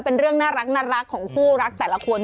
เป็นเรื่องน่ารักของคู่รักแต่ละคน